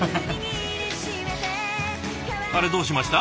あれどうしました？